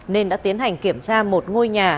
nên đã tiến hành kiểm tra một ngôi nhà